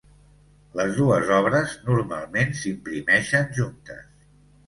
Les dues obres normalment s'imprimeixen juntes.